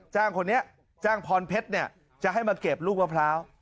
จ้างคนนี้จ้างพรเพชรจะให้มาเก็บลูกมะพร้าว